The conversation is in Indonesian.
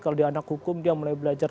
kalau di anak hukum dia mulai belajar